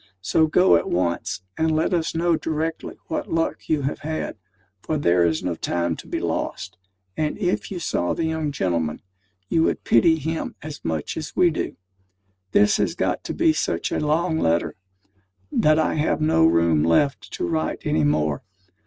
So go at once, and let us know directly what luck you have had, for there is no time to be lost; and if you saw the young gentleman, you would pity him as much as we do. This has got to be such a long letter, that I have no room left to write any more.